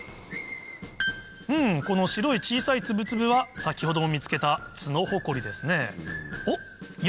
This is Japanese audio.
うんこの白い小さいツブツブは先ほども見つけたツノホコリですねおっいや